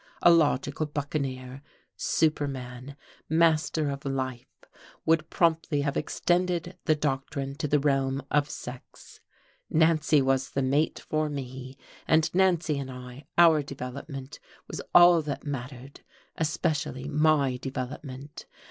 A logical buccaneer, superman, "master of life" would promptly have extended this doctrine to the realm of sex. Nancy was the mate for me, and Nancy and I, our development, was all that mattered, especially my development.